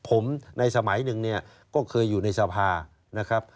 ผมในสมัยหนึ่งก็เคยอยู่ในสภา